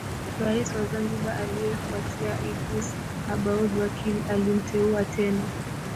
Rais wa Zanzibar aliyefuatia Idris Aboud Wakil alimteua tena